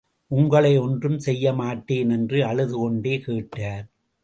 உங்களை ஒன்றும் செய்யமாட்டேன் என்று அழுது கொண்டே கேட்டார்.